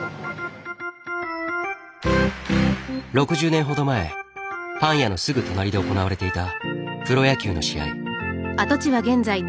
６０年ほど前パン屋のすぐ隣で行われていたプロ野球の試合。